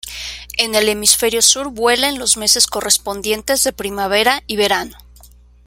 En el hemisferio sur vuela en los meses correspondientes de primavera y verano.